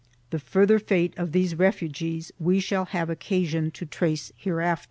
2 The further fate of these refugees we shall have occasion to trace hereafter.